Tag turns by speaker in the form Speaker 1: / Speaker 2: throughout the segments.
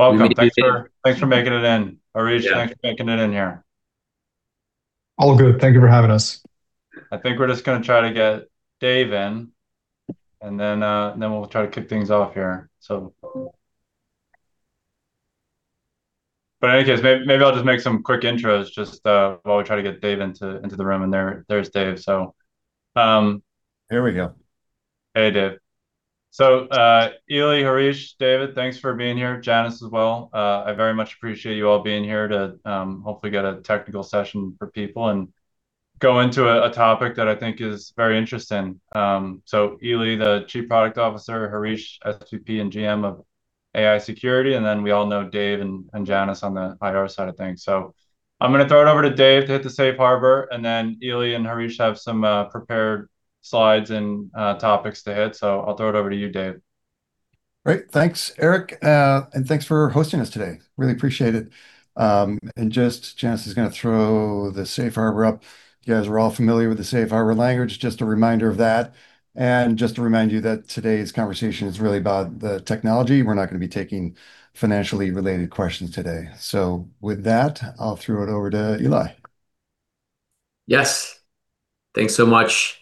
Speaker 1: Welcome. Thanks for making it in. Harish, thanks for making it in here.
Speaker 2: All good. Thank you for having us.
Speaker 1: I think we're just going to try to get Dave in, and then we'll try to kick things off here. In any case, maybe I'll just make some quick intros just while we try to get Dave into the room. There's Dave.
Speaker 3: Here we go.
Speaker 1: Hey, Dave. Ely, Harish, David, thanks for being here. Janice as well. I very much appreciate you all being here to hopefully get a technical session for people and go into a topic that I think is very interesting. Ely, the Chief Product Officer, Harish, SVP and GM of AI Security, and then we all know Dave and Janice on the IR side of things. I'm going to throw it over to Dave to hit the safe harbor, and then Ely and Harish have some prepared slides and topics to hit. I'll throw it over to you, Dave.
Speaker 3: Thanks so much. Thanks, Eric, thanks for hosting us today. Really appreciate it. Just Janice is going to throw the safe harbor up. You guys are all familiar with the safe harbor language, just a reminder of that. Just to remind you that today's conversation is really about the technology. We're not going to be taking financially-related questions today. With that, I'll throw it over to Ely.
Speaker 4: Thanks so much.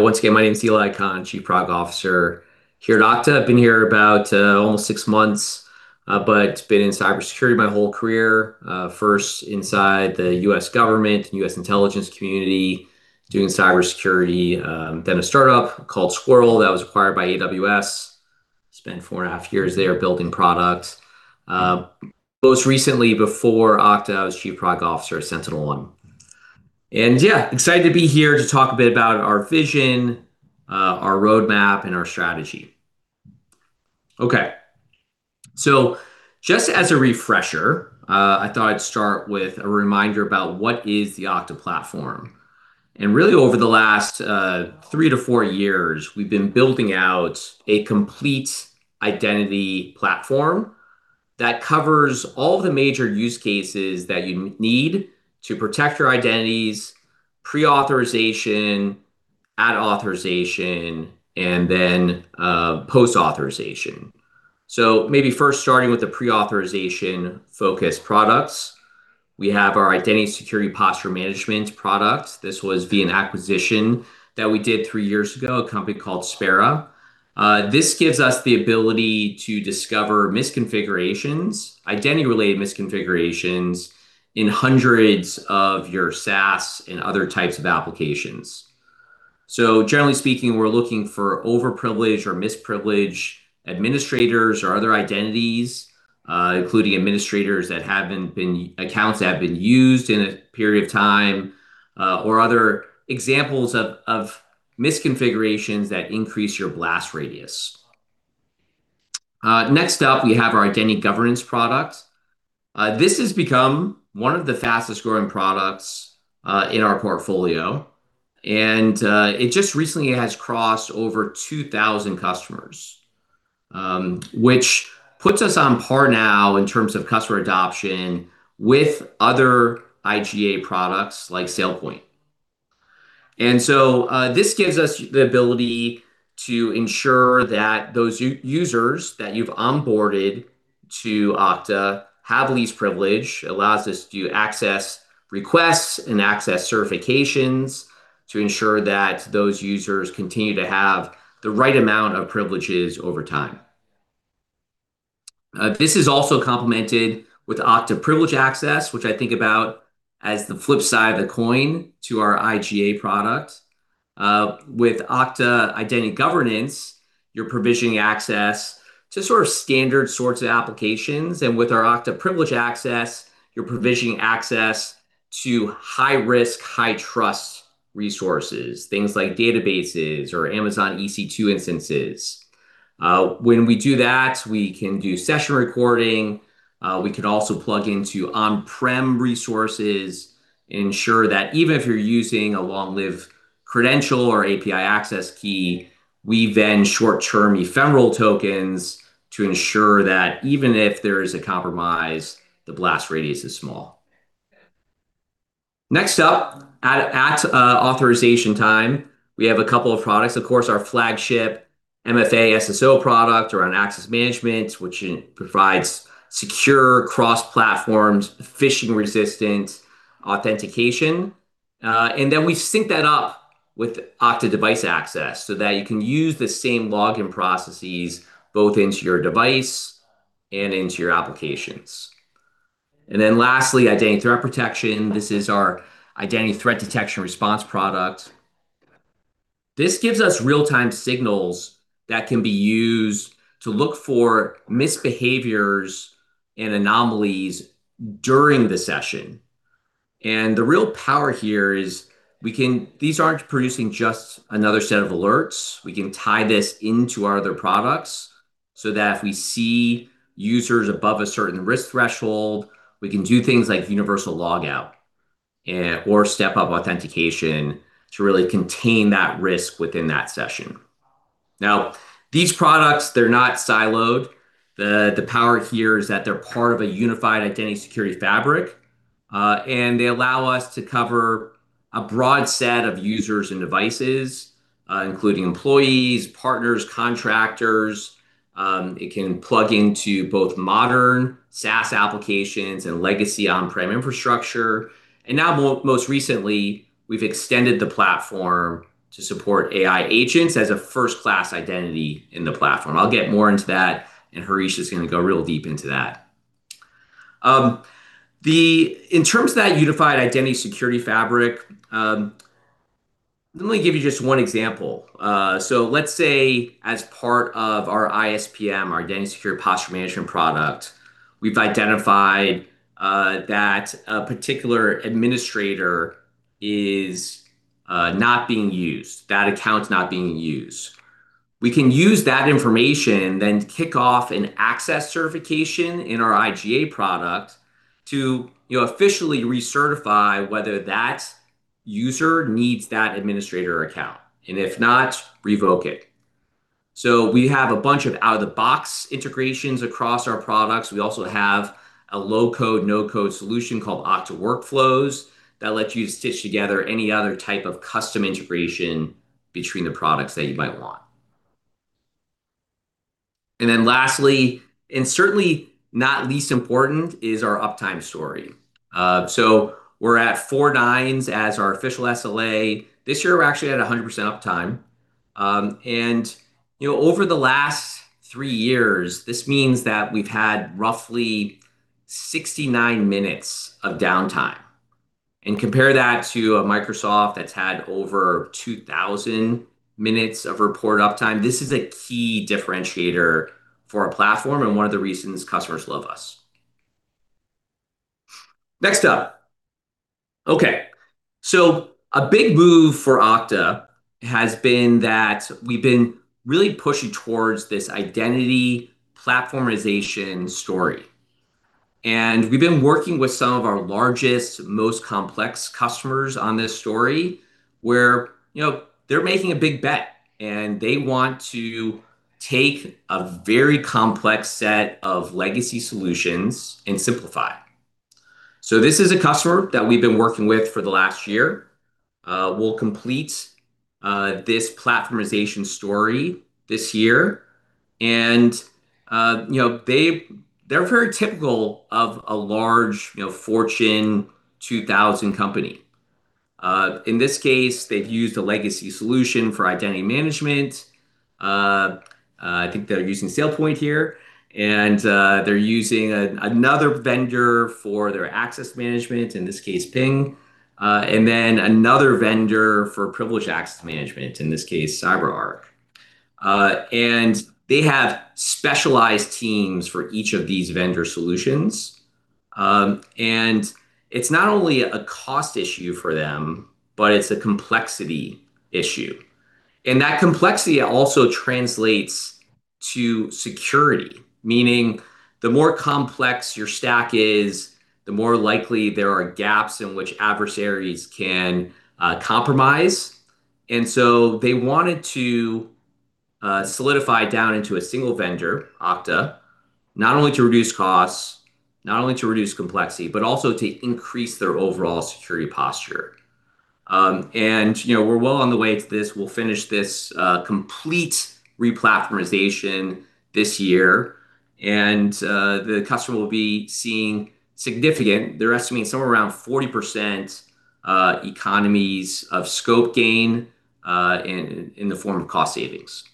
Speaker 4: Once again, my name's Ely Kahn, Chief Product Officer here at Okta. I've been here about almost six months, but been in cybersecurity my whole career. First inside the U.S. government, U.S. intelligence community doing cybersecurity, then a startup called Sqrrl that was acquired by AWS. Spent four and a half years there building product. Most recently before Okta, I was Chief Product Officer at SentinelOne. Excited to be here to talk a bit about our vision, our roadmap, and our strategy. Just as a refresher, I thought I'd start with a reminder about what is the Okta platform. Really over the last, three to four years, we've been building out a complete identity platform that covers all the major use cases that you need to protect your identities, pre-authorization, add authorization, and then, post-authorization. Maybe first starting with the pre-authorization focus products, we have our Identity Security Posture Management product. This was via an acquisition that we did three years ago, a company called Spera. This gives us the ability to discover misconfigurations, identity-related misconfigurations in hundreds of your SaaS and other types of applications. Generally speaking, we're looking for overprivileged or misprivileged administrators or other identities, including administrators that haven't been used in a period of time, or other examples of misconfigurations that increase your blast radius. Next up, we have our Identity Governance product. This has become one of the fastest-growing products in our portfolio. It just recently has crossed over 2,000 customers, which puts us on par now in terms of customer adoption with other IGA products like SailPoint. This gives us the ability to ensure that those users that you've onboarded to Okta have least privilege allows us to do access requests and access certifications to ensure that those users continue to have the right amount of privileges over time. This is also complemented with Okta Privileged Access, which I think about as the flip side of the coin to our IGA product. With Okta Identity Governance, you're provisioning access to standard sorts of applications. With our Okta Privileged Access, you're provisioning access to high-risk, high-trust resources things like databases or Amazon EC2 instances. When we do that, we can do session recording. We can also plug into on-prem resources, ensure that even if you're using a long-lived credential or API access key, we then short-term ephemeral tokens to ensure that even if there is a compromise, the blast radius is small. Next up, at authorization time, we have a couple of products. Of course, our flagship MFA SSO product or Okta Access Management, which provides secure cross-platform, phishing-resistant authentication. We sync that up with Okta Device Access so that you can use the same login processes both into your device and into your applications. Lastly, Identity Threat Protection. This is our identity threat detection response product. This gives us real-time signals that can be used to look for misbehaviors and anomalies during the session. The real power here is these aren't producing just another set of alerts. We can tie this into our other products so that if we see users above a certain risk threshold, we can do things like universal logout, or step-up authentication to really contain that risk within that session. These products, they're not siloed. The power here is that they're part of a unified identity security fabric. They allow us to cover a broad set of users and devices, including employees, partners, contractors. It can plug into both modern SaaS applications and legacy on-prem infrastructure. Now, most recently, we've extended the platform to support AI agents as a first-class identity in the platform. I'll get more into that, and Harish is going to go real deep into that. In terms of that unified identity security fabric, let me give you just one example. Let's say as part of our ISPM—our Identity Security Posture Management product, we've identified that a particular administrator is not being used, that account's not being used. We can use that information, then kick off an access certification in our IGA product to officially recertify whether that user needs that administrator account, and if not, revoke it. We have a bunch of out-of-the-box integrations across our products. We also have a low-code, no-code solution called Okta Workflows that lets you stitch together any other type of custom integration between the products that you might want. Lastly, and certainly not least important, is our uptime story. We're at four nines as our official SLA. This year, we're actually at 100% uptime. Over the last three years, this means that we've had roughly 69 minutes of downtime. Compare that to a Microsoft that's had over 2,000 minutes of reported uptime, this is a key differentiator for our platform and one of the reasons customers love us. Next up. A big move for Okta has been that we've been really pushing towards this identity platformization story. We've been working with some of our largest, most complex customers on this story, where they're making a big bet, and they want to take a very complex set of legacy solutions and simplify. This is a customer that we've been working with for the last year. We'll complete this platformization story this year, and they're very typical of a large Fortune 2000 company. In this case, they've used a legacy solution for identity management. I think they're using SailPoint here, and they're using another vendor for their access management in this case Ping, and then another vendor for privileged access management in this case, CyberArk. They have specialized teams for each of these vendor solutions. It's not only a cost issue for them, but it's a complexity issue. That complexity also translates to security, meaning, the more complex your stack is, the more likely there are gaps in which adversaries can compromise. They wanted to solidify down into a single vendor, Okta, not only to reduce costs, not only to reduce complexity, but also to increase their overall security posture. We're well on the way to this. We'll finish this complete re-platformization this year. The customer will be seeing significant they're estimating somewhere around 40% economies of scope gain in the form of cost savings.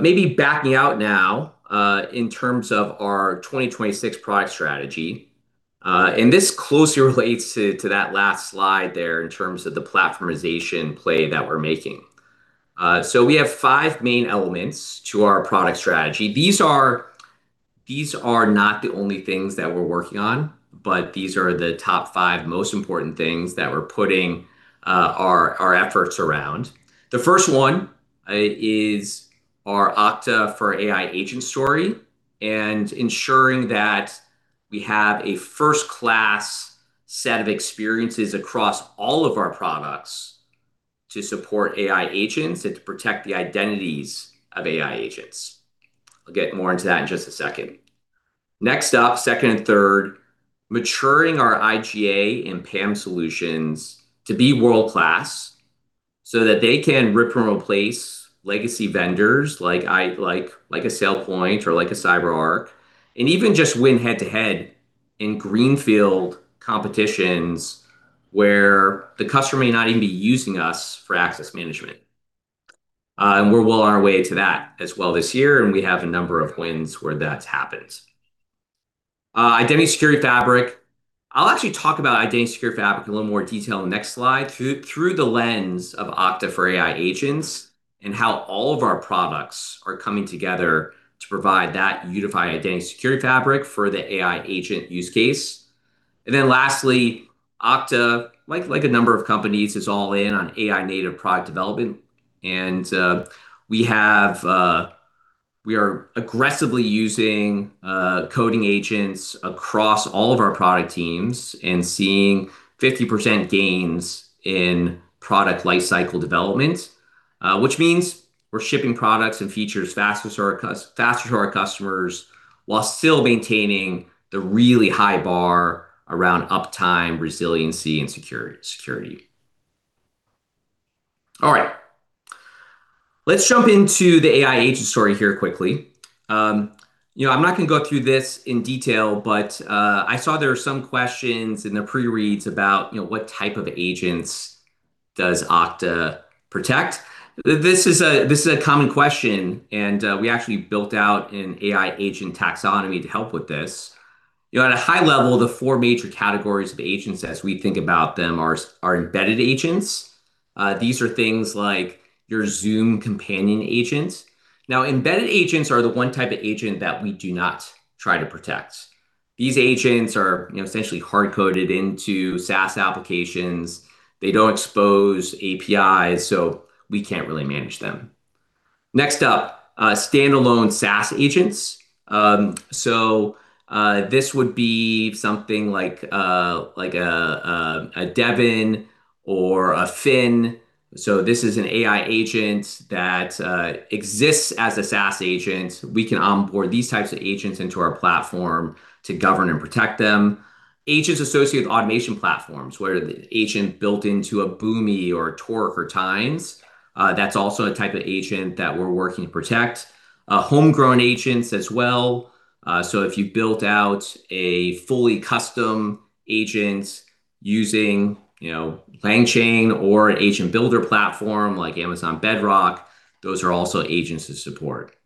Speaker 4: Maybe backing out now in terms of our 2026 product strategy, this closely relates to that last slide there in terms of the platformization play that we're making. We have five main elements to our product strategy. These are not the only things that we're working on, but these are the top five most important things that we're putting our efforts around. The first one is our Okta for AI agent story and ensuring that we have a first-class set of experiences across all of our products to support AI agents and to protect the identities of AI agents. I'll get more into that in just a second. Next up, second and third, maturing our IGA and PAM solutions to be world-class so that they can rip and replace legacy vendors like a SailPoint or like a CyberArk, and even just win head-to-head in greenfield competitions where the customer may not even be using us for access management. We're well on our way to that as well this year, and we have a number of wins where that's happened. Identity security fabric. I'll actually talk about identity security fabric in a little more detail in the next slide through the lens of Okta for AI Agents and how all of our products are coming together to provide that unified identity security fabric for the AI agent use case. Lastly, Okta, like a number of companies, is all in on AI native product development. We are aggressively using coding agents across all of our product teams and seeing 50% gains in product life cycle development, which means we're shipping products and features faster to our customers while still maintaining the really high bar around uptime, resiliency, and security. Let's jump into the AI agent story here quickly. I'm not going to go through this in detail, but I saw there were some questions in the pre-reads about what type of agents does Okta protect. This is a common question. We actually built out an AI agent taxonomy to help with this. At a high level, the four major categories of agents as we think about them are embedded agents. These are things like your Zoom companion agents. Embedded agents are the one type of agent that we do not try to protect. These agents are essentially hard-coded into SaaS applications. They don't expose APIs, so we can't really manage them. Next up, standalone SaaS agents. This would be something like a Devin or a Fin. This is an AI agent that exists as a SaaS agent. We can onboard these types of agents into our platform to govern and protect them. Agents associated with automation platforms, where the agent built into a Boomi or a Torq or Tines, that's also a type of agent that we're working to protect. Homegrown agents as well. If you built out a fully-custom agent using LangChain or an agent builder platform like Amazon Bedrock, those are also agents we support.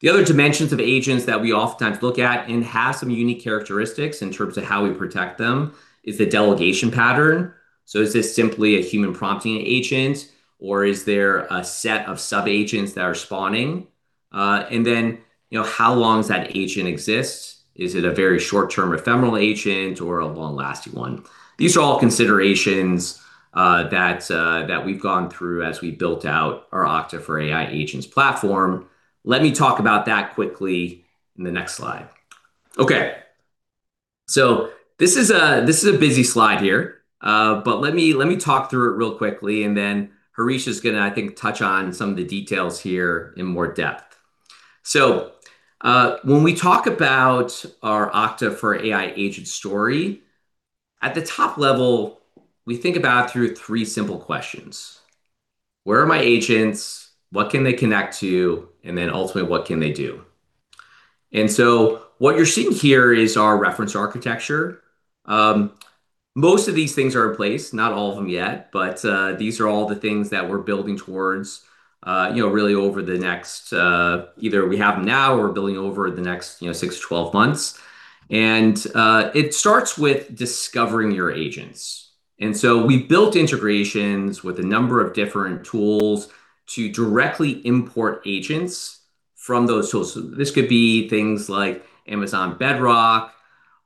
Speaker 4: The other dimensions of agents that we oftentimes look at and have some unique characteristics in terms of how we protect them is the delegation pattern. Is this simply a human prompting agent, or is there a set of sub-agents that are spawning? How long does that agent exist? Is it a very short-term ephemeral agent or a long-lasting one? These are all considerations that we've gone through as we built out our Okta for AI Agents platform. Let me talk about that quickly in the next slide. This is a busy slide here. Let me talk through it real quickly, and then Harish is going to, I think, touch on some of the details here in more depth. When we talk about our Okta for AI Agents story, at the top level, we think about through three simple questions. Where are my agents? What can they connect to? Ultimately, what can they do? What you're seeing here is our reference architecture. Most of these things are in place not all of them yet but these are all the things that we're building towards, really over the next either we have them now or building over the next 6 to 12 months. It starts with discovering your agents. We built integrations with a number of different tools to directly import agents from those tools. This could be things like Amazon Bedrock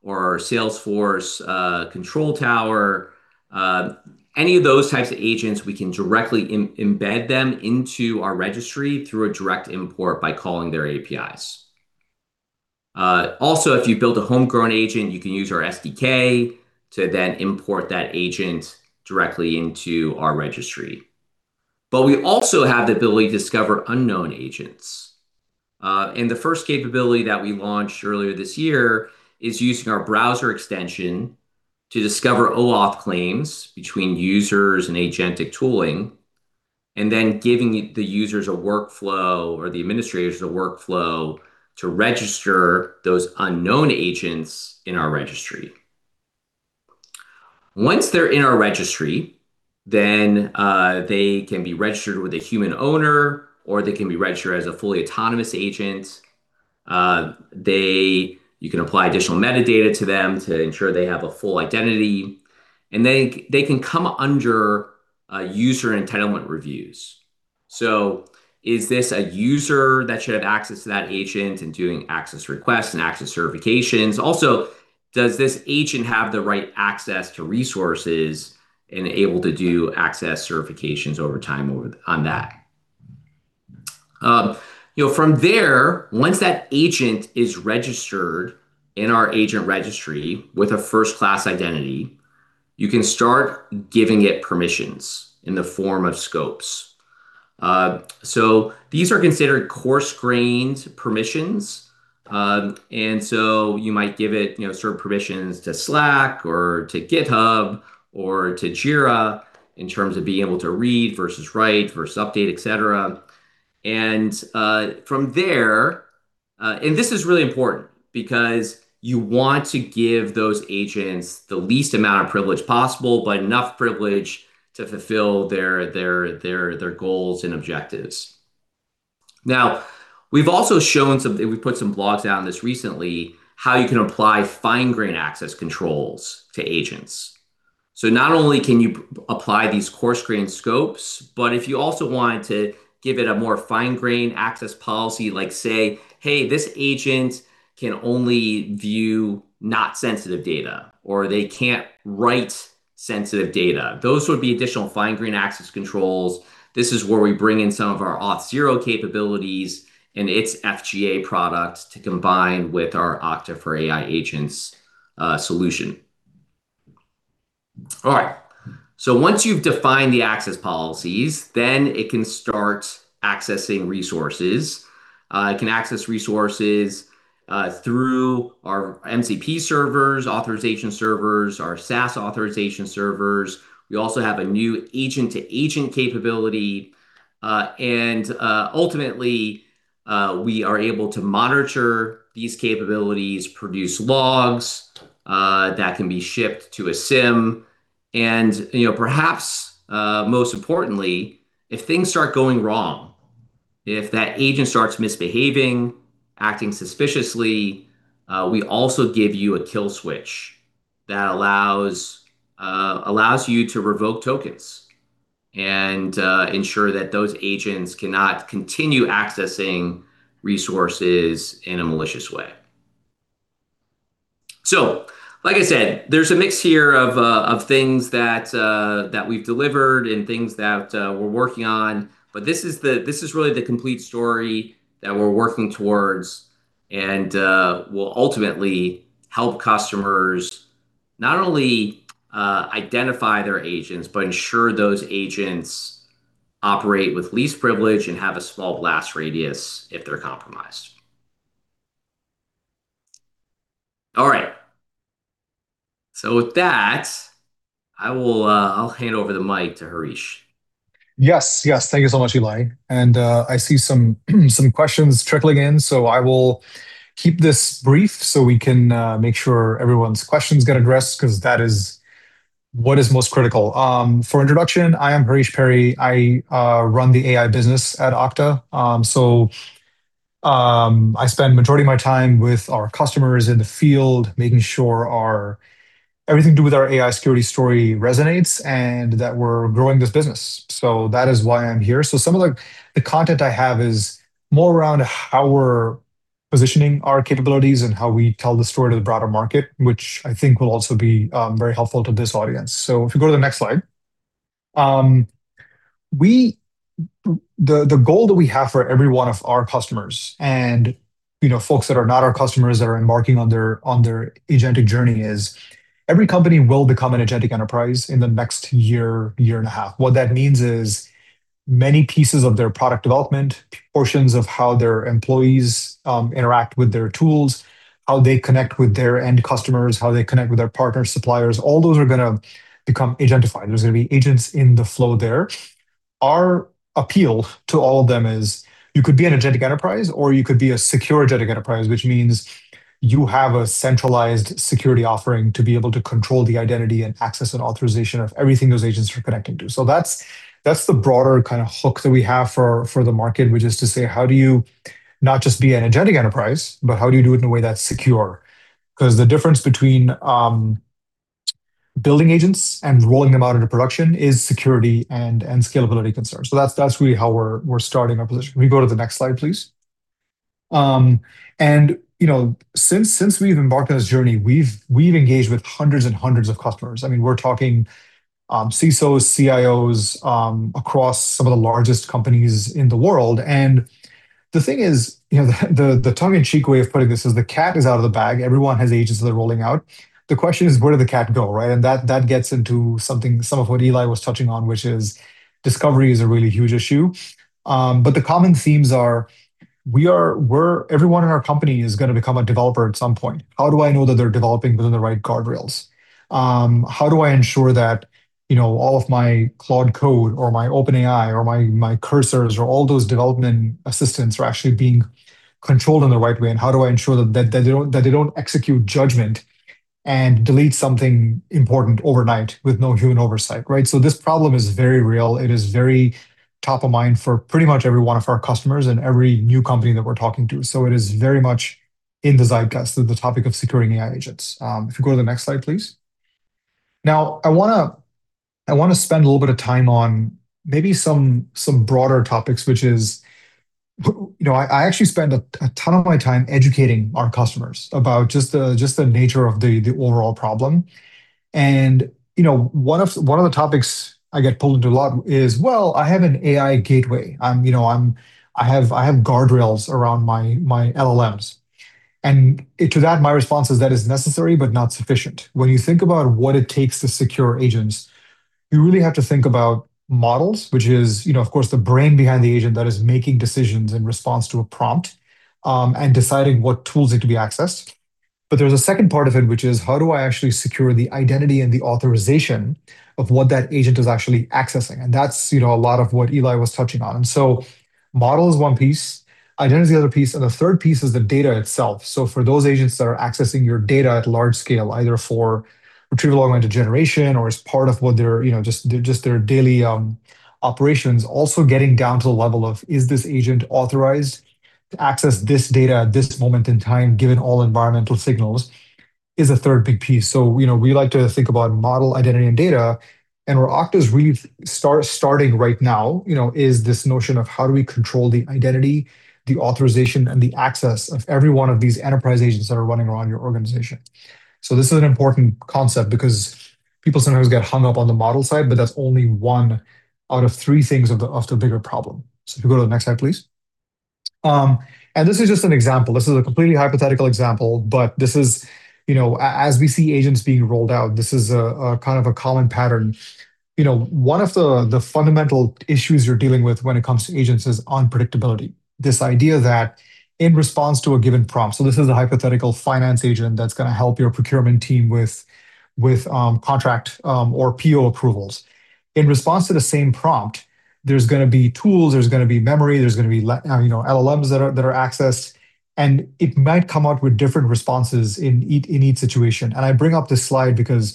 Speaker 4: or Salesforce Control Tower. Any of those types of agents, we can directly embed them into our registry through a direct import by calling their APIs. If you build a homegrown agent, you can use our SDK to then import that agent directly into our registry. We also have the ability to discover unknown agents. The first capability that we launched earlier this year is using our browser extension to discover OAuth claims between users and agentic tooling, and then giving the users or the administrators the workflow to register those unknown agents in our registry. Once they're in our registry, they can be registered with a human owner, or they can be registered as a fully-autonomous agent. You can apply additional metadata to them to ensure they have a full identity, and they can come under user entitlement reviews. Is this a user that should have access to that agent and doing access requests and access certifications? Does this agent have the right access to resources and able to do access certifications over time on that? Once that agent is registered in our agent registry with a first-class identity, you can start giving it permissions in the form of scopes. These are considered coarse-grained permissions, you might give it certain permissions to Slack or to GitHub or to Jira in terms of being able to read versus write versus update, et cetera. This is really important because you want to give those agents the least amount of privilege possible, but enough privilege to fulfill their goals and objectives. We've also shown we've put some blogs out on this recently, how you can apply fine-grained access controls to agents. Not only can you apply these coarse-grained scopes, but if you also wanted to give it a more fine-grained access policy, like say, hey, this agent can only view not sensitive data, or, they can't write sensitive data. Those would be additional fine-grained access controls. This is where we bring in some of our Auth0 capabilities and its FGA product to combine with our Okta for AI Agents solution. Once you've defined the access policies, then it can start accessing resources. It can access resources through our MCP servers, authorization servers, our SaaS authorization servers. We also have a new agent-to-agent capability. Ultimately, we are able to monitor these capabilities, produce logs that can be shipped to a SIEM, and perhaps, most importantly, if things start going wrong, if that agent starts misbehaving, acting suspiciously we also give you a kill switch that allows you to revoke tokens and ensure that those agents cannot continue accessing resources in a malicious way. Like I said, there's a mix here of things that we've delivered and things that we're working on, but this is really the complete story that we're working towards and will ultimately help customers not only identify their agents, but ensure those agents operate with least privilege and have a small blast radius if they're compromised. With that, I'll hand over the mic to Harish.
Speaker 2: Thank you so much, Ely. I see some questions trickling in. I will keep this brief so we can make sure everyone's questions get addressed, because that is what is most critical. For introduction, I am Harish Peri. I run the AI business at Okta. I spend majority of my time with our customers in the field, making sure everything to do with our AI security story resonates and that we're growing this business. That is why I'm here. Some of the content I have is more around how we're positioning our capabilities and how we tell the story to the broader market, which I think will also be very helpful to this audience. If you go to the next slide. The goal that we have for every one of our customers, and folks that are not our customers that are embarking on their agentic journey, is every company will become an agentic enterprise in the next year and a half. What that means is many pieces of their product development, portions of how their employees interact with their tools, how they connect with their end customers, how they connect with their partner suppliers, all those are going to become agentified. There's going to be agents in the flow there. Our appeal to all of them is you could be an agentic enterprise, or you could be a secure agentic enterprise, which means you have a centralized security offering to be able to control the identity and access and authorization of everything those agents are connecting to. That's the broader kind of hook that we have for the market, which is to say, how do you not just be an agentic enterprise, but how do you do it in a way that's secure? Because the difference between building agents and rolling them out into production is security and scalability concerns. That's really how we're starting our position. Can we go to the next slide, please? Since we've embarked on this journey, we've engaged with hundreds and hundreds of customers. We're talking CISOs, CIOs across some of the largest companies in the world. The thing is, the tongue-in-cheek way of putting this is the cat is out of the bag. Everyone has agents that are rolling out. The question is, where did the cat go? That gets into some of what Ely was touching on, which is discovery is a really huge issue. The common themes are everyone in our company is going to become a developer at some point. How do I know that they're developing within the right guardrails? How do I ensure that all of my Claude Code or my OpenAI or my Cursors or all those development assistants are actually being controlled in the right way? How do I ensure that they don't execute judgment and delete something important overnight with no human oversight? This problem is very real. It is very top of mind for pretty much every one of our customers and every new company that we're talking to. It is very much in the zeitgeist of the topic of securing AI agents. If you go to the next slide, please. I want to spend a little bit of time on maybe some broader topics, which is, I actually spend a ton of my time educating our customers about just the nature of the overall problem. One of the topics I get pulled into a lot is, well, I have an AI gateway. I have guardrails around my LLMs. To that, my response is, that is necessary but not sufficient. When you think about what it takes to secure agents, you really have to think about models, which is, of course, the brain behind the agent that is making decisions in response to a prompt, and deciding what tools need to be accessed. There's a second part of it, which is how do I actually secure the identity and the authorization of what that agent is actually accessing? That's a lot of what Ely was touching on. Model is one piece, identity is the other piece, and the third piece is the data itself. For those agents that are accessing your data at large scale, either for retrieval-augmented generation, or as part of just their daily operations, also getting down to the level of, is this agent authorized to access this data at this moment in time, given all environmental signals, is a third big piece. We like to think about model, identity, and data, and where Okta is really starting right now is this notion of how do we control the identity, the authorization, and the access of every one of these enterprise agents that are running around your organization. This is an important concept because people sometimes get hung up on the model side, but that's only one out of three things of the bigger problem. If you go to the next slide, please. This is just an example. This is a completely hypothetical example, but as we see agents being rolled out, this is a kind of a common pattern. One of the fundamental issues you're dealing with when it comes to agents is unpredictability. This idea that in response to a given prompt this is a hypothetical finance agent that's going to help your procurement team with contract or PO approvals, in response to the same prompt, there's going to be tools, there's going to be memory, there's going to be LLMs that are accessed, and it might come out with different responses in each situation. I bring up this slide because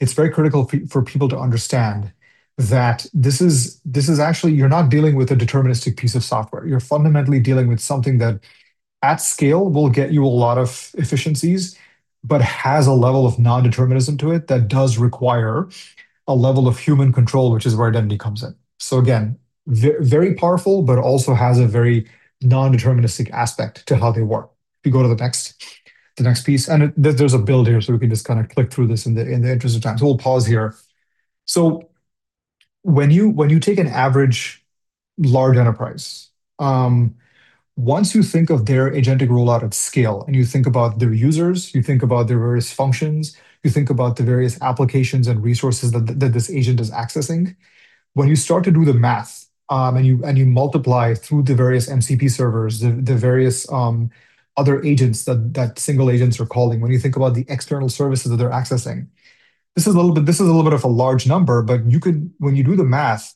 Speaker 2: it's very critical for people to understand that you're not dealing with a deterministic piece of software. You're fundamentally dealing with something that, at scale, will get you a lot of efficiencies, but has a level of nondeterminism to it that does require a level of human control, which is where identity comes in. Again, very powerful, but also has a very nondeterministic aspect to how they work. If you go to the next piece, there's a build here, we can just kind of click through this in the interest of time. We'll pause here. When you take an average large enterprise, once you think of their agentic rollout at scale, and you think about their users, you think about their various functions, you think about the various applications and resources that this agent is accessing. When you start to do the math, you multiply through the various MCP servers, the various other agents that single agents are calling, when you think about the external services that they're accessing, this is a little bit of a large number, but when you do the math,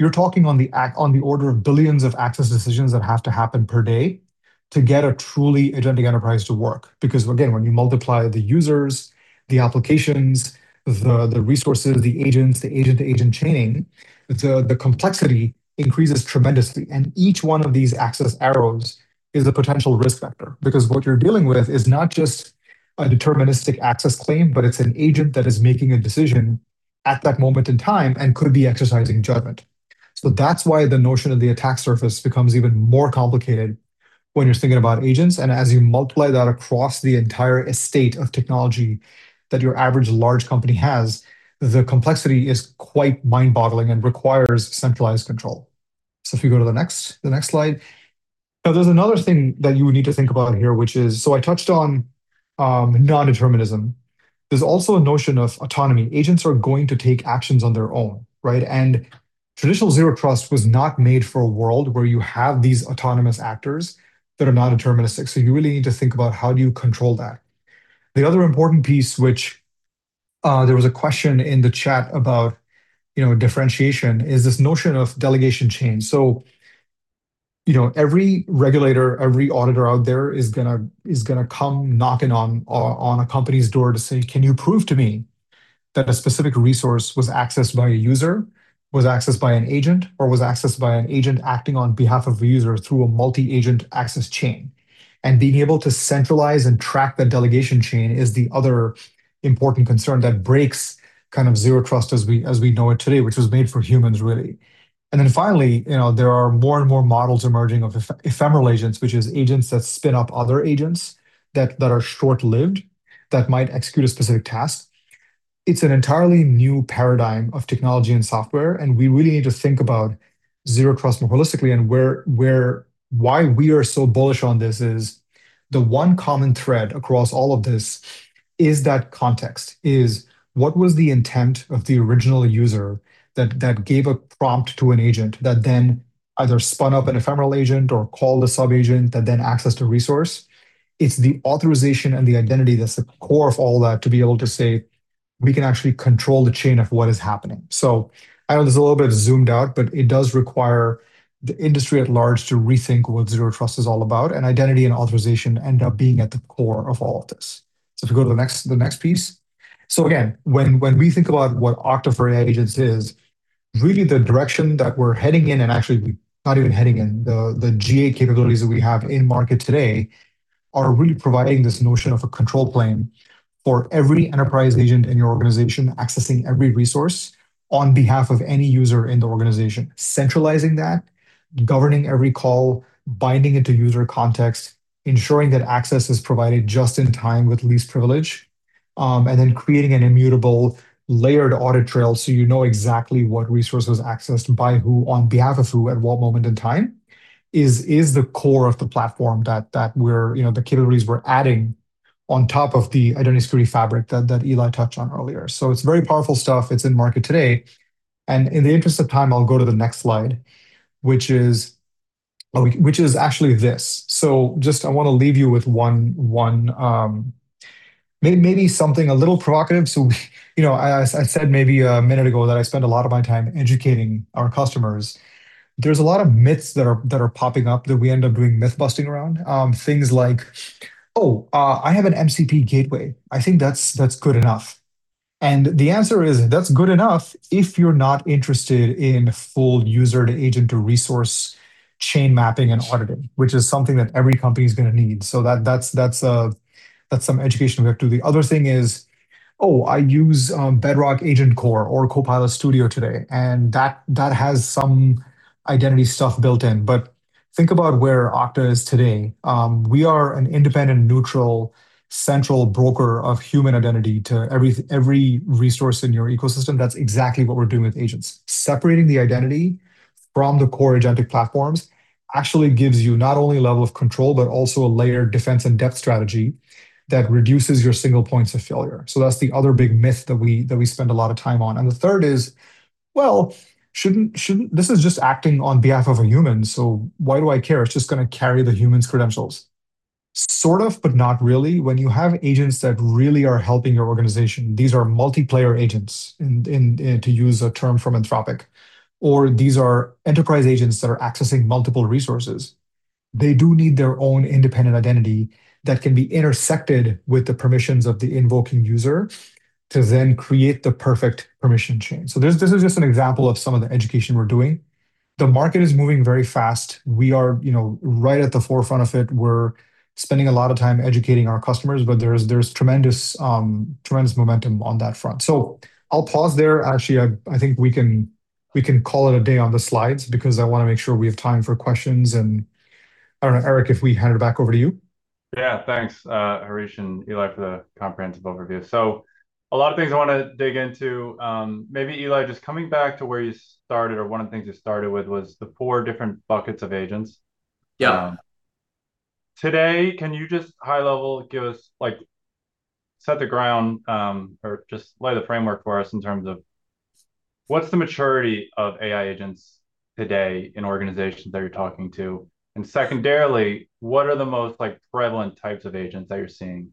Speaker 2: you're talking on the order of billions of access decisions that have to happen per day to get a truly agentic enterprise to work. Again, when you multiply the users, the applications, the resources, the agents, the agent-to-agent chaining, the complexity increases tremendously, and each one of these access arrows is a potential risk factor, because what you're dealing with is not just a deterministic access claim, but it's an agent that is making a decision at that moment in time and could be exercising judgment. That's why the notion of the attack surface becomes even more complicated when you're thinking about agents. As you multiply that across the entire estate of technology that your average large company has, the complexity is quite mind-boggling and requires centralized control. If we go to the next slide. There's another thing that you would need to think about here, which is, I touched on nondeterminism. There's also a notion of autonomy. Agents are going to take actions on their own. Traditional Zero Trust was not made for a world where you have these autonomous actors that are nondeterministic. You really need to think about how do you control that. The other important piece which—there was a question in the chat about differentiation is this notion of delegation chain. Every regulator, every auditor out there is going to come knocking on a company's door to say, can you prove to me that a specific resource was accessed by a user, was accessed by an agent, or was accessed by an agent acting on behalf of a user through a multi-agent access chain? Being able to centralize and track that delegation chain is the other important concern that breaks kind of Zero Trust as we know it today, which was made for humans, really. Finally, there are more and more models emerging of ephemeral agents, which is agents that spin up other agents that are short-lived that might execute a specific task. It's an entirely new paradigm of technology and software. We really need to think about Zero Trust more holistically. Why we are so bullish on this is the one common thread across all of this is that context, is what was the intent of the original user that gave a prompt to an agent that then either spun up an ephemeral agent or called a sub-agent that then accessed a resource. It's the authorization and the identity that's the core of all that to be able to say we can actually control the chain of what is happening. I know there's a little bit of zoomed out, but it does require the industry at large to rethink what Zero Trust is all about, and identity and authorization end up being at the core of all of this. If we go to the next piece. Again, when we think about what Okta for Agents is, really the direction that we're heading in, and actually not even heading in, the GA capabilities that we have in market today are really providing this notion of a control plane for every enterprise agent in your organization accessing every resource on behalf of any user in the organization. Centralizing that, governing every call, binding it to user context, ensuring that access is provided just in time with least privilege, and then creating an immutable layered audit trail so you know exactly what resource was accessed by who, on behalf of who at what moment in time is the core of the platform that the capabilities we're adding on top of the identity security fabric that Ely touched on earlier. It's very powerful stuff. It's in market today. In the interest of time, I'll go to the next slide, which is actually this. I want to leave you with maybe something a little provocative. I said maybe a minute ago that I spend a lot of my time educating our customers. There's a lot of myths that are popping up that we end up doing myth-busting around. Things like, oh, I have an MCP gateway. I think that's good enough. The answer is, that's good enough if you're not interested in full user-to-agent-to-resource chain mapping and auditing, which is something that every company is going to need. That's some education we have to do. The other thing is, oh, I use Bedrock AgentCore or Copilot Studio today, and that has some identity stuff built in. Think about where Okta is today. We are an independent, neutral, central broker of human identity to every resource in your ecosystem. That's exactly what we're doing with agents. Separating the identity from the core agentic platforms actually gives you not only a level of control, but also a layered defense and depth strategy that reduces your single points of failure. That's the other big myth that we spend a lot of time on. The third is, well, this is just acting on behalf of a human, so why do I care? It's just going to carry the human's credentials. Sort of, but not really. When you have agents that really are helping your organization, these are multiplayer agents, to use a term from Anthropic. Or these are enterprise agents that are accessing multiple resources. They do need their own independent identity that can be intersected with the permissions of the invoking user to then create the perfect permission chain. This is just an example of some of the education we're doing. The market is moving very fast. We are right at the forefront of it. We're spending a lot of time educating our customers, but there's tremendous momentum on that front. I'll pause there. Actually, I think we can call it a day on the slides, because I want to make sure we have time for questions. I don't know, Eric, if we hand it back over to you.
Speaker 1: Thanks, Harish and Ely, for the comprehensive overview. A lot of things I want to dig into. Maybe, Ely, just coming back to where you started, or one of the things you started with, was the four different buckets of agents. Today, can you just high level give us, set the ground, or just lay the framework for us in terms of what's the maturity of AI agents today in organizations that you're talking to? Secondarily, what are the most prevalent types of agents that you're seeing?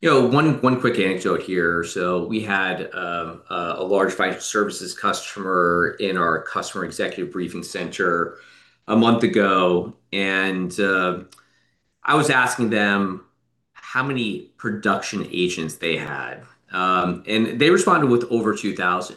Speaker 4: One quick anecdote here. We had a large financial services customer in our customer executive briefing center a month ago, and I was asking them how many production agents they had. They responded with over 2,000.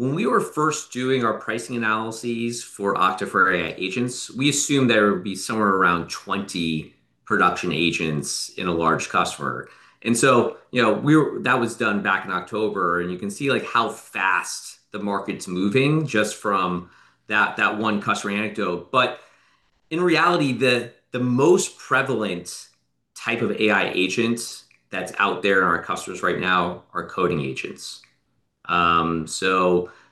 Speaker 4: When we were first doing our pricing analyses for Okta for AI Agents, we assumed there would be somewhere around 20 production agents in a large customer. That was done back in October, and you can see how fast the market's moving just from that one customer anecdote. In reality, the most prevalent type of AI agent that's out there in our customers right now are coding agents.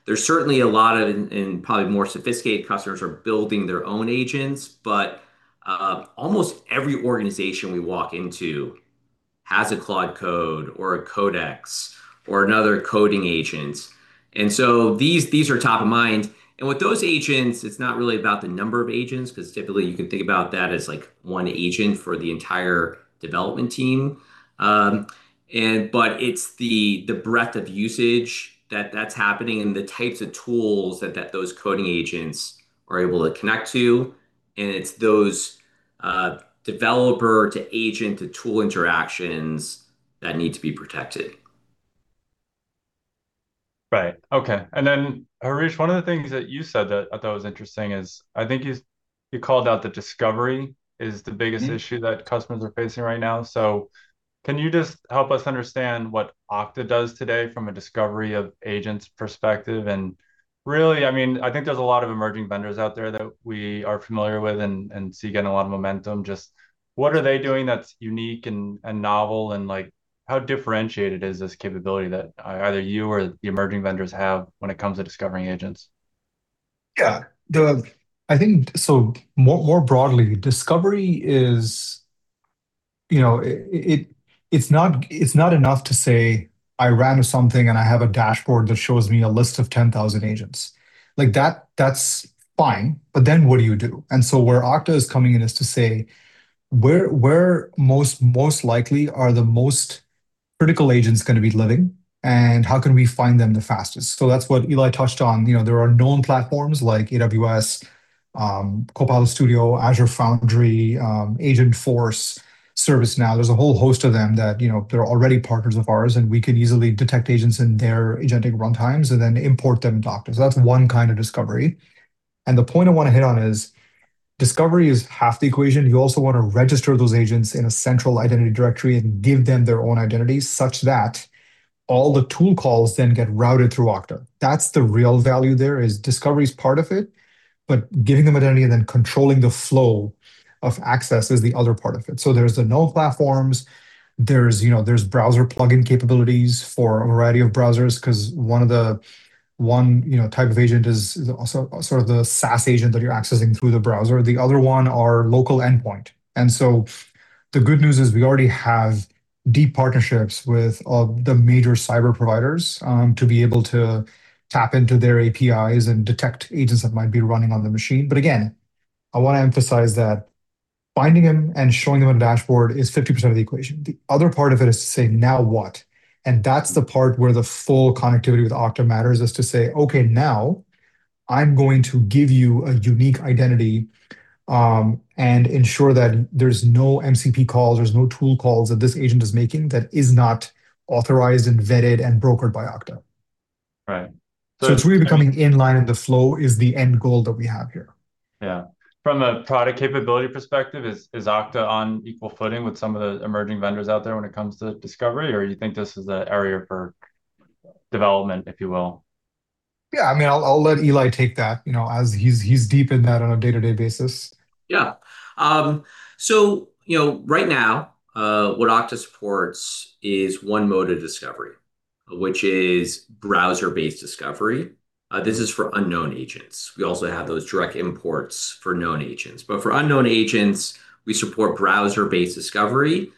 Speaker 4: There's certainly a lot of, and probably more sophisticated, customers are building their own agents, but almost every organization we walk into has a Claude Code or a Codex or another coding agent. These are top of mind. With those agents, it's not really about the number of agents, because typically you can think about that as one agent for the entire development team. It's the breadth of usage that's happening and the types of tools that those coding agents are able to connect to, and it's those developer-to-agent-to-tool interactions that need to be protected.
Speaker 1: Harish, one of the things that you said that I thought was interesting is I think you called out that discovery is the biggest issue that customers are facing right now. Can you just help us understand what Okta does today from a discovery of agents perspective? Really, I think there's a lot of emerging vendors out there that we are familiar with and see getting a lot of momentum. What are they doing that's unique and novel, and how differentiated is this capability that either you or the emerging vendors have when it comes to discovering agents?
Speaker 2: More broadly, discovery is—it's not enough to say, I ran something and I have a dashboard that shows me a list of 10,000 agents. That's fine. What do you do? Where Okta is coming in is to say, where most likely are the most critical agents going to be living, and how can we find them the fastest? That's what Ely touched on. There are known platforms like AWS, Copilot Studio, Azure Foundry, Agentforce, ServiceNow. There's a whole host of them that are already partners of ours, and we can easily detect agents in their agentic runtimes and then import them to Okta. That's one kind of discovery. The point I want to hit on is discovery is half the equation. You also want to register those agents in a central identity directory and give them their own identity such that all the tool calls then get routed through Okta. That's the real value there is discovery is part of it, but giving them identity and then controlling the flow of access is the other part of it. There's the known platforms. There's browser plugin capabilities for a variety of browsers, because one type of agent is also sort of the SaaS agent that you're accessing through the browser. The other one are local endpoint. The good news is we already have deep partnerships with the major cyber providers to be able to tap into their APIs and detect agents that might be running on the machine. Again, I want to emphasize that finding them and showing them on a dashboard is 50% of the equation. The other part of it is to say, now what? That's the part where the full connectivity with Okta matters, is to say, now I'm going to give you a unique identity, and ensure that there's no MCP calls, there's no tool calls that this agent is making that is not authorized and vetted and brokered by Okta. It's really becoming inline, and the flow is the end goal that we have here.
Speaker 1: From a product capability perspective, is Okta on equal footing with some of the emerging vendors out there when it comes to discovery, or do you think this is an area for development, if you will?
Speaker 2: I'll let Ely take that, as he's deep in that on a day-to-day basis.
Speaker 4: Right now, what Okta supports is one mode of discovery, which is browser-based discovery. This is for unknown agents. We also have those direct imports for known agents. For unknown agents, we support browser-based discovery.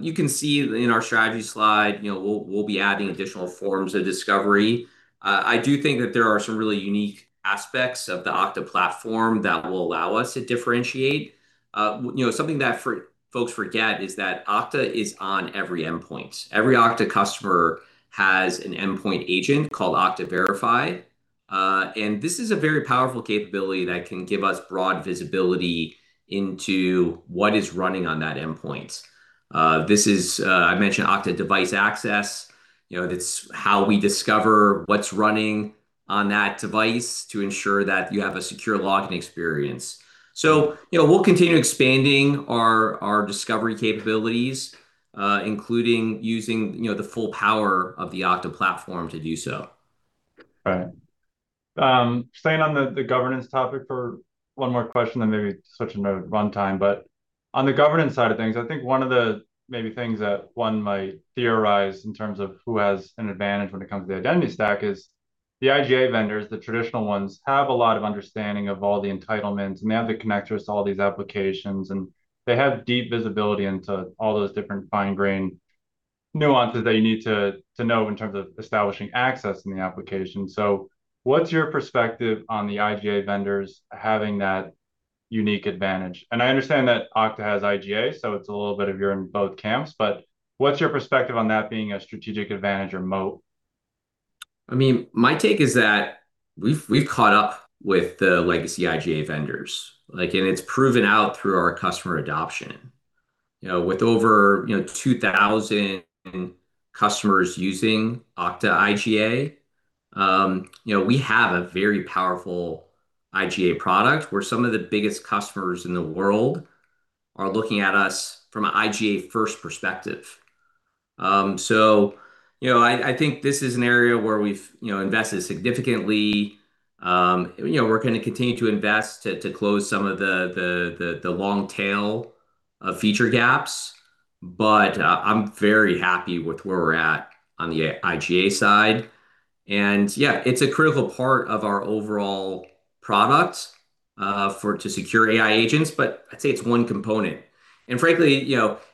Speaker 4: You can see in our strategy slide, we'll be adding additional forms of discovery. I do think that there are some really unique aspects of the Okta platform that will allow us to differentiate. Something that folks forget is that Okta is on every endpoint. Every Okta customer has an endpoint agent called Okta Verify, and this is a very powerful capability that can give us broad visibility into what is running on that endpoint. I mentioned Okta Device Access. That's how we discover what's running on that device to ensure that you have a secure login experience. We'll continue expanding our discovery capabilities, including using the full power of the Okta platform to do so.
Speaker 1: Staying on the governance topic for one more question, maybe switching to runtime. On the governance side of things, I think one of the maybe things that one might theorize in terms of who has an advantage when it comes to the identity stack is the IGA vendors, the traditional ones, have a lot of understanding of all the entitlements. They have the connectors to all these applications, and they have deep visibility into all those different fine-grained nuances that you need to know in terms of establishing access in the application. What's your perspective on the IGA vendors having that unique advantage? I understand that Okta has IGA so it's a little bit of you're in both camps but what's your perspective on that being a strategic advantage or moat?
Speaker 4: My take is that we've caught up with the legacy IGA vendors. It's proven out through our customer adoption, with over 2,000 customers using Okta IGA. We have a very powerful IGA product where some of the biggest customers in the world are looking at us from an IGA-first perspective. I think this is an area where we've invested significantly. We're going to continue to invest to close some of the long tail of feature gaps. I'm very happy with where we're at on the IGA side. It's a critical part of our overall product to secure AI agents, but I'd say it's one component. Frankly,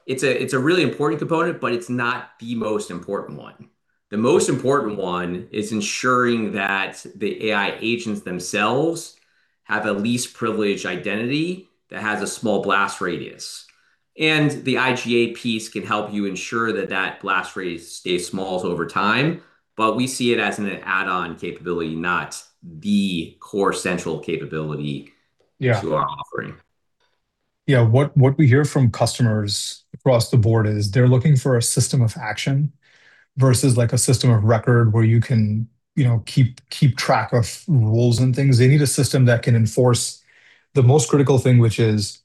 Speaker 4: it's a really important component, but it's not the most important one. The most important one is ensuring that the AI agents themselves have a least privileged identity that has a small blast radius. The IGA piece can help you ensure that blast radius stays small over time, but we see it as an add-on capability, not the core central capability to our offering.
Speaker 2: What we hear from customers across the board is they're looking for a system of action versus a system of record where you can keep track of rules and things. They need a system that can enforce the most critical thing, which is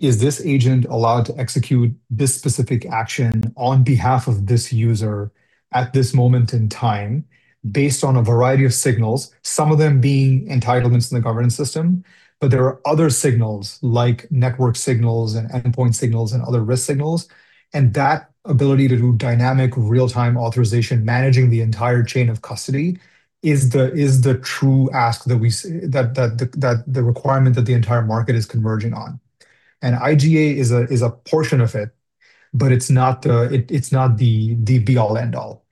Speaker 2: this agent allowed to execute this specific action on behalf of this user at this moment in time based on a variety of signals, some of them being entitlements in the governance system. There are other signals, like network signals and endpoint signals and other risk signals. That ability to do dynamic real-time authorization, managing the entire chain of custody is the true ask that the requirement that the entire market is converging on. IGA is a portion of it, but it's not the be-all, end-all.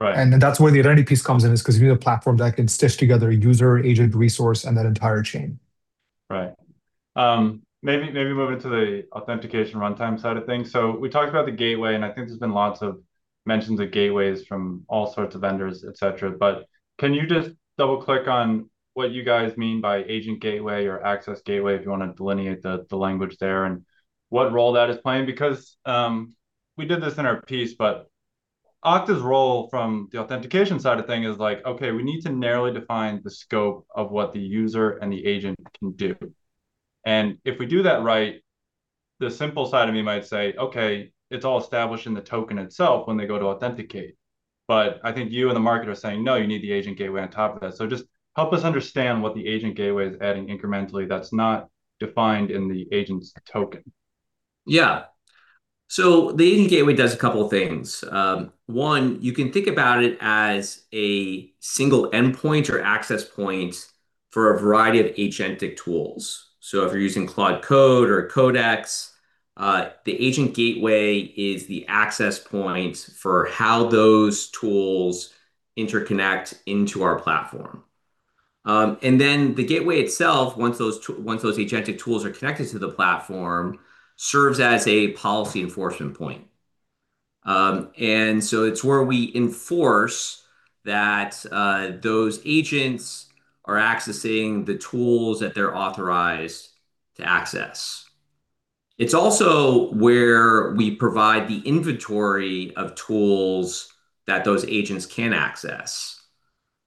Speaker 2: That's where the identity piece comes in. Because you need a platform that can stitch together user, agent, resource, and that entire chain.
Speaker 1: Maybe moving to the authentication runtime side of things. We talked about the gateway. I think there's been lots of mentions of gateways from all sorts of vendors, et cetera. Can you just double-click on what you guys mean by agent gateway or access gateway, if you want to delineate the language there, and what role that is playing? We did this in our piece. Okta's role from the authentication side of things is we need to narrowly define the scope of what the user and the agent can do. If we do that right, the simple side of me might say, it's all established in the token itself when they go to authenticate. I think you and the market are saying, no, you need the agent gateway on top of that. Just help us understand what the agent gateway is adding incrementally that's not defined in the agent's token.
Speaker 4: The agent gateway does a couple of things. One, you can think about it as a single endpoint or access point for a variety of agentic tools. If you're using Claude Code or Codex, the agent gateway is the access point for how those tools interconnect into our platform. The gateway itself once those agentic tools are connected to the platform, serves as a policy enforcement point. It's where we enforce that those agents are accessing the tools that they're authorized to access. It's also where we provide the inventory of tools that those agents can access.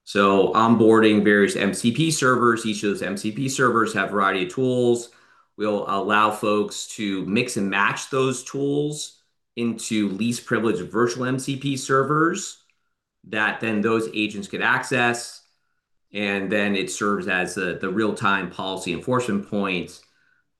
Speaker 4: Onboarding various MCP servers, each of those MCP servers have a variety of tools. We'll allow folks to mix and match those tools into least privileged virtual MCP servers that then those agents could access. It serves as the real-time policy enforcement point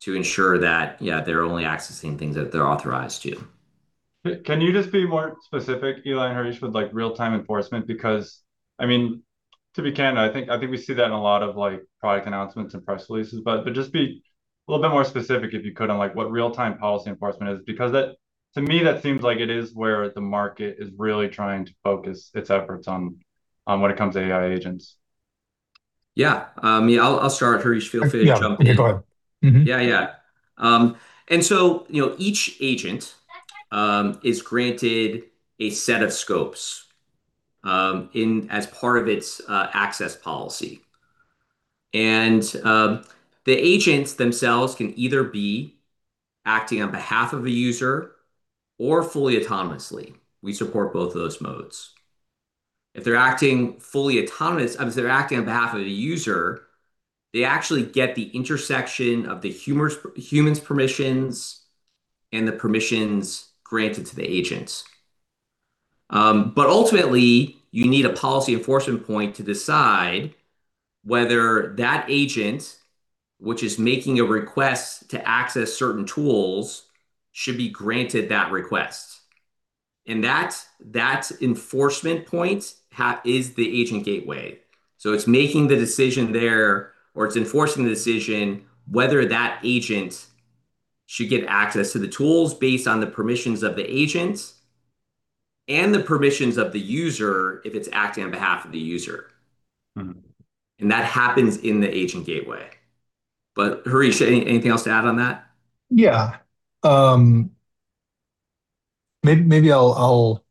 Speaker 4: to ensure that they're only accessing things that they're authorized to.
Speaker 1: Can you just be more specific, Ely and Harish, with real-time enforcement? To be candid, I think we see that in a lot of product announcements and press releases. Just be a little bit more specific, if you could, on what real-time policy enforcement is. To me, that seems like it is where the market is really trying to focus its efforts on when it comes to AI agents.
Speaker 4: I'll start. Harish, feel free to jump in.
Speaker 2: Go ahead.
Speaker 4: Each agent is granted a set of scopes as part of its access policy. The agents themselves can either be acting on behalf of a user or fully autonomously. We support both of those modes. If they're acting on behalf of a user, they actually get the intersection of the human's permissions and the permissions granted to the agents. Ultimately, you need a policy enforcement point to decide whether that agent, which is making a request to access certain tools, should be granted that request. That enforcement point is the agent gateway. It's making the decision there, or it's enforcing the decision whether that agent should get access to the tools based on the permissions of the agent and the permissions of the user, if it's acting on behalf of the user. That happens in the agent gateway. Harish, anything else to add on that?
Speaker 2: Maybe I'll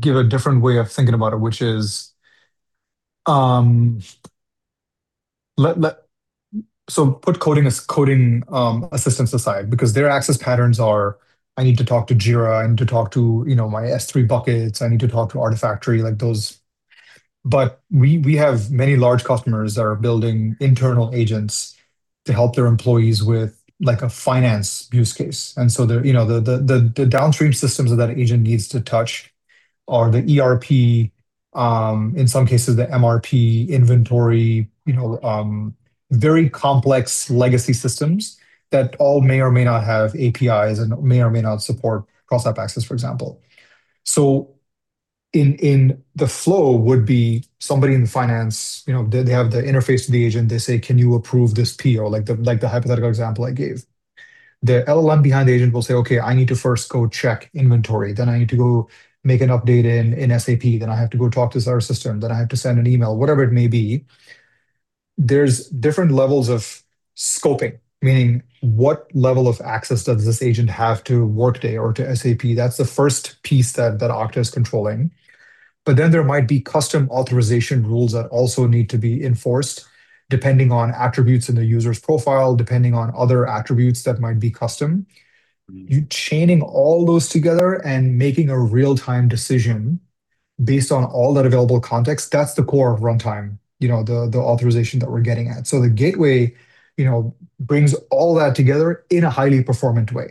Speaker 2: give a different way of thinking about it, which is, put coding assistance aside because their access patterns are, I need to talk to Jira, I need to talk to my S3 buckets, I need to talk to Artifactory, like those. We have many large customers that are building internal agents to help their employees with a finance use case. The downstream systems that agent needs to touch are the ERP, in some cases, the MRP, inventory, very complex legacy systems that all may or may not have APIs and may or may not support Cross-App Access, for example. In the flow would be somebody in finance, they have the interface to the agent, they say, can you approve this PO? Like the hypothetical example I gave. The LLM behind the agent will say, I need to first go check inventory, then I need to go make an update in SAP, then I have to go talk to this other system, then I have to send an email, whatever it may be. There's different levels of scoping, meaning what level of access does this agent have to Workday or to SAP? That's the first piece that Okta is controlling. There might be custom authorization rules that also need to be enforced depending on attributes in the user's profile, depending on other attributes that might be custom. You chaining all those together and making a real-time decision based on all that available context, that's the core runtime, the authorization that we're getting at. The gateway brings all that together in a highly performant way.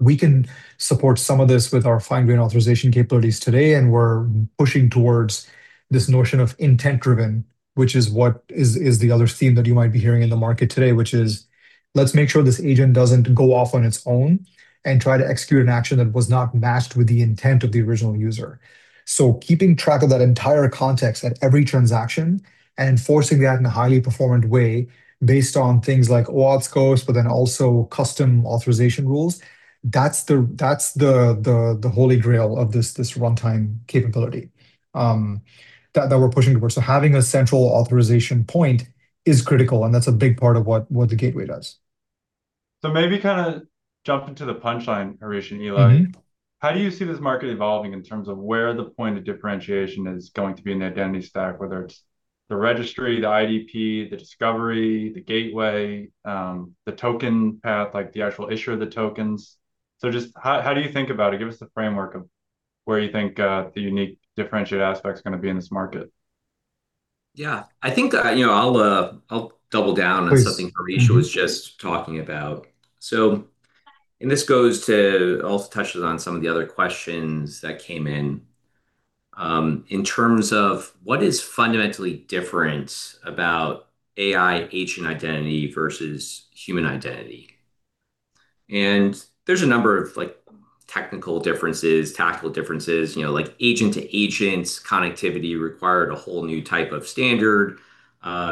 Speaker 2: We can support some of this with our fine-grained authorization capabilities today, and we're pushing towards this notion of intent driven, which is what is the other theme that you might be hearing in the market today, which is, let's make sure this agent doesn't go off on its own and try to execute an action that was not matched with the intent of the original user. Keeping track of that entire context at every transaction and enforcing that in a highly performant way based on things like OAuth scopes, but then also custom authorization rules, that's the holy grail of this runtime capability that we're pushing towards. Having a central authorization point is critical, and that's a big part of what the gateway does.
Speaker 1: Maybe kind of jumping to the punchline, Harish and Ely. How do you see this market evolving in terms of where the point of differentiation is going to be in the identity stack, whether it's the registry, the IdP, the discovery, the gateway, the token path, like the actual issue of the tokens. Just how do you think about it? Give us the framework of where you think the unique differentiated aspect is going to be in this market.
Speaker 4: I think I'll double down on something Harish was just talking about. This also touches on some of the other questions that came in. In terms of what is fundamentally different about AI agent identity versus human identity. There's a number of technical differences, tactical differences, like agent-to-agent connectivity required a whole new type of standard,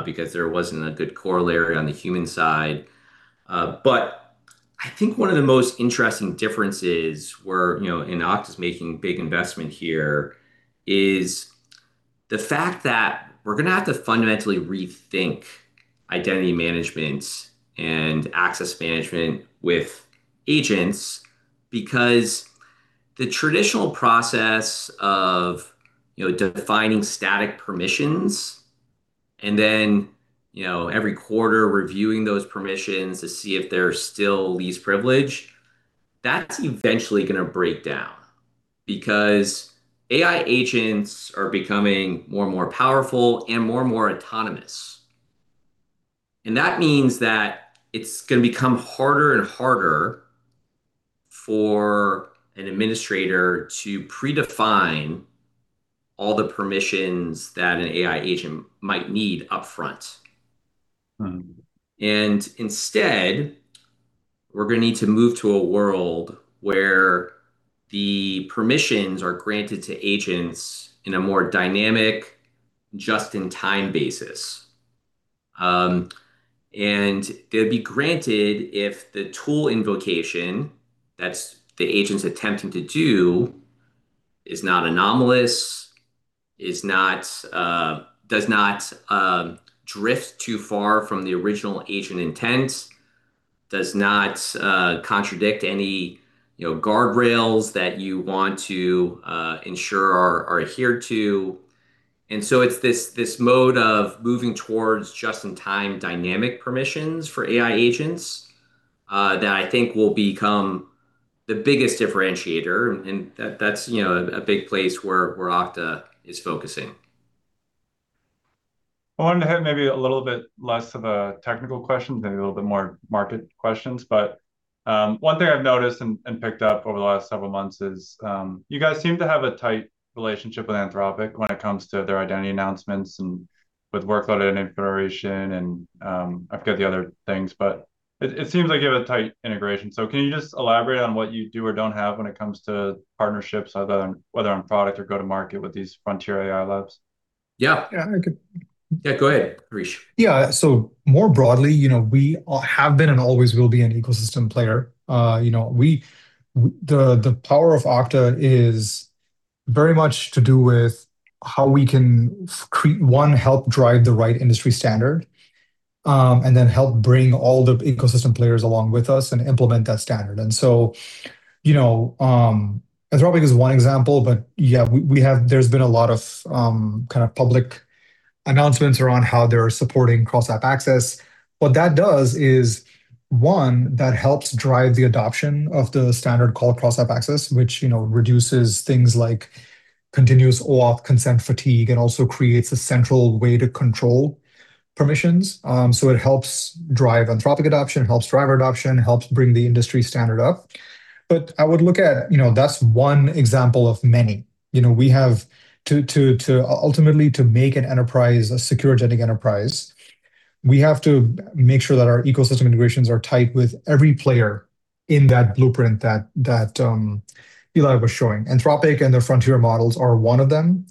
Speaker 4: because there wasn't a good corollary on the human side. I think one of the most interesting differences where Okta's making big investment here is the fact that we're going to have to fundamentally rethink identity management and access management with agents because the traditional process of defining static permissions and then every quarter reviewing those permissions to see if they're still least privilege, that's eventually going to break down, because AI agents are becoming more and more powerful and more and more autonomous. That means that it's going to become harder and harder for an administrator to predefine all the permissions that an AI agent might need upfront. Instead, we're going to need to move to a world where the permissions are granted to agents in a more dynamic, just-in-time basis. They'll be granted if the tool invocation that the agent's attempting to do is not anomalous, does not drift too far from the original agent intent, does not contradict any guardrails that you want to ensure are adhered to. It's this mode of moving towards just-in-time dynamic permissions for AI agents that I think will become the biggest differentiator, that's a big place where Okta is focusing.
Speaker 1: I wanted to hit maybe a little bit less of a technical question, maybe a little bit more market questions. One thing I've noticed and picked up over the last several months is you guys seem to have a tight relationship with Anthropic when it comes to their identity announcements and with workload and [exfiltration] and I've forget the other things but it seems like you have a tight integration. Can you just elaborate on what you do or don't have when it comes to partnerships, whether on product or go to market with these frontier AI labs?
Speaker 2: I could.
Speaker 4: Go ahead, Harish.
Speaker 2: More broadly, we have been and always will be an ecosystem player. The power of Okta is very much to do with how we can, one, help drive the right industry standard, and then help bring all the ecosystem players along with us and implement that standard. Anthropic is one example. There's been a lot of public announcements around how they're supporting Cross-App Access. What that does is, one, that helps drive the adoption of the standard called Cross-App Access, which reduces things like continuous OAuth consent fatigue and also creates a central way to control permissions. It helps drive Anthropic adoption, helps drive our adoption, helps bring the industry standard up. That's one example of many. Ultimately, to make an enterprise a secure agentic enterprise, we have to make sure that our ecosystem integrations are tight with every player in that blueprint that Ely was showing. Anthropic and their frontier models are one of them.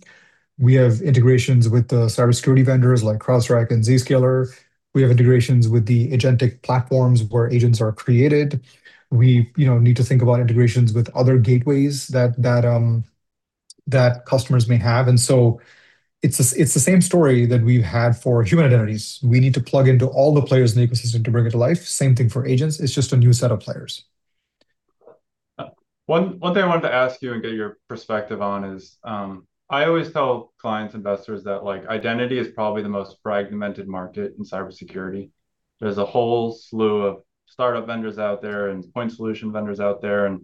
Speaker 2: We have integrations with the cybersecurity vendors like CrowdStrike and Zscaler. We have integrations with the agentic platforms where agents are created. We need to think about integrations with other gateways that customers may have. It's the same story that we've had for human identities. We need to plug into all the players in the ecosystem to bring it to life. Same thing for agents. It's just a new set of players.
Speaker 1: One thing I wanted to ask you and get your perspective on is, I always tell clients, investors that identity is probably the most fragmented market in cybersecurity. There's a whole slew of startup vendors out there and point solution vendors out there.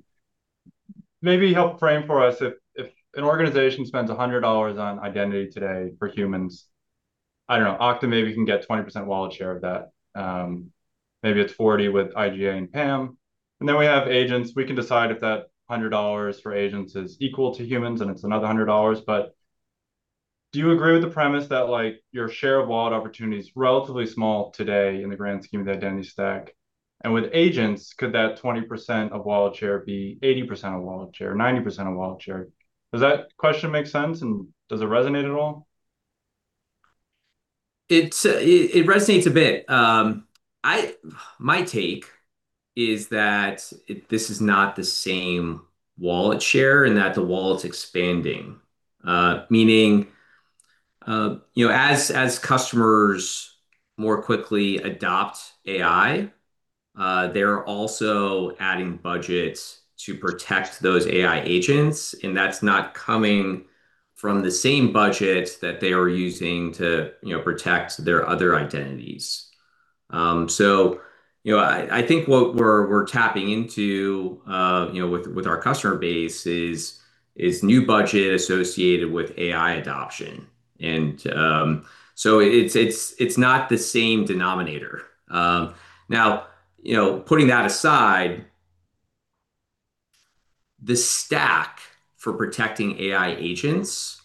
Speaker 1: Maybe help frame for us, if an organization spends $100 on identity today for humans, I don't know, Okta maybe can get 20% wallet share of that. Maybe it's 40% with IGA and PAM. Then we have agents. We can decide if that $100 for agents is equal to humans, and it's another $100. Do you agree with the premise that your share of wallet opportunity is relatively small today in the grand scheme of the identity stack? With agents, could that 20% of wallet share be 80% of wallet share, 90% of wallet share? Does that question make sense, and does it resonate at all?
Speaker 4: It resonates a bit. My take is that this is not the same wallet share and that the wallet's expanding. Meaning, as customers more quickly adopt AI, they're also adding budgets to protect those AI agents, and that's not coming from the same budget that they are using to protect their other identities. I think what we're tapping into with our customer base is new budget associated with AI adoption. It's not the same denominator. Now, putting that aside, the stack for protecting AI agents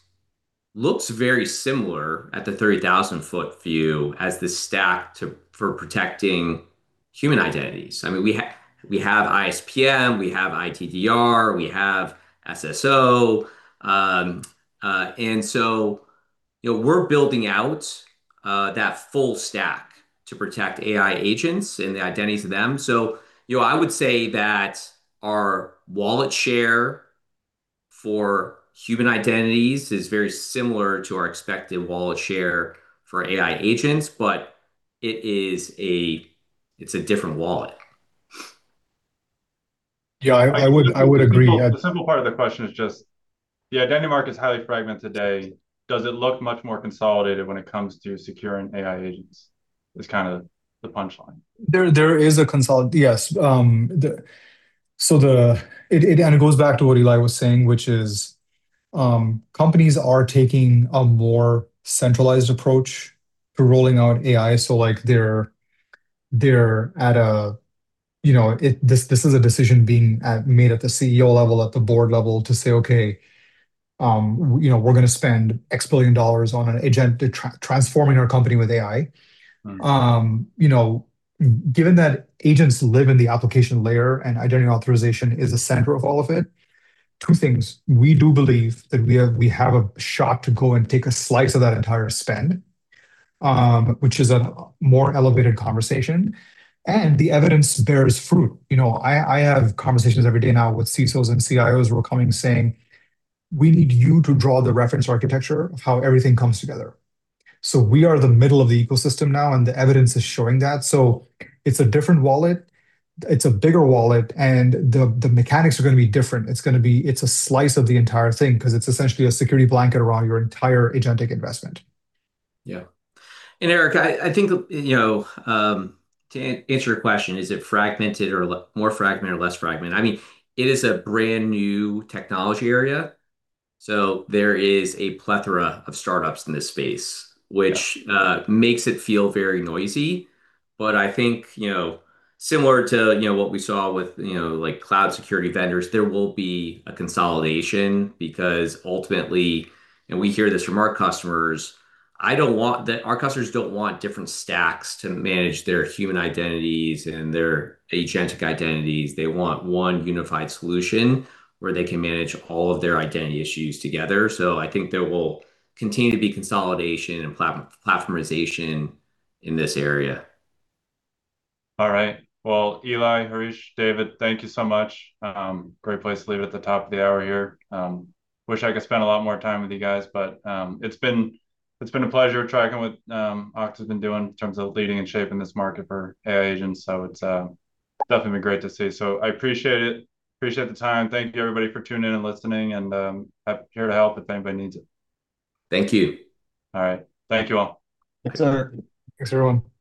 Speaker 4: looks very similar at the 30,000-foot view as the stack for protecting human identities. We have ISPM, we have ITDR, we have SSO. We're building out that full stack to protect AI agents and the identities of them. I would say that our wallet share for human identities is very similar to our expected wallet share for AI agents, but it's a different wallet.
Speaker 2: I would agree.
Speaker 1: The simple part of the question is just the identity market is highly fragmented today. Does it look much more consolidated when it comes to securing AI agents? Is the punchline.
Speaker 2: It goes back to what Ely was saying, which is, companies are taking a more centralized approach to rolling out AI. This is a decision being made at the CEO level, at the board level to say, okay, we're going to spend X billion dollars on an agent transforming our company with AI. Given that agents live in the application layer and identity authorization is the center of all of it, two things. We do believe that we have a shot to go and take a slice of that entire spend, which is a more elevated conversation, and the evidence bears fruit. I have conversations every day now with CISOs and CIOs who are coming saying, we need you to draw the reference architecture of how everything comes together. We are the middle of the ecosystem now, and the evidence is showing that. It's a different wallet, it's a bigger wallet, and the mechanics are going to be different. It's a slice of the entire thing because it's essentially a security blanket around your entire agentic investment.
Speaker 4: Eric, I think, to answer your question, is it fragmented or more fragmented or less fragmented? It is a brand new technology area, so there is a plethora of startups in this space, which makes it feel very noisy. I think, similar to what we saw with cloud security vendors, there will be a consolidation because, ultimately and we hear this from our customers our customers don't want different stacks to manage their human identities and their agentic identities. They want one unified solution where they can manage all of their identity issues together. I think there will continue to be consolidation and platformization in this area.
Speaker 1: Well, Ely, Harish, David, thank you so much. Great place to leave at the top of the hour here. Wish I could spend a lot more time with you guys, but it's been a pleasure tracking what Okta's been doing in terms of leading and shaping this market for AI agents, it's definitely been great to see. I appreciate it. Appreciate the time. Thank you everybody for tuning in and listening, and I'm here to help if anybody needs it.
Speaker 4: Thank you.
Speaker 1: Thank you all.
Speaker 2: Thanks, Eric.
Speaker 1: Thanks everyone. Bye.